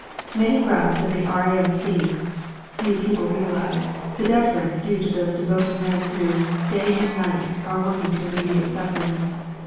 Many grouse at the R.A.M.C. Few people realise the deference due to those devoted men who, day and night, are working to alleviate suffering.